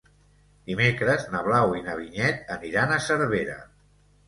Dimecres na Blau i na Vinyet aniran a Cervera.